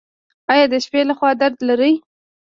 ایا د شپې لخوا درد لرئ؟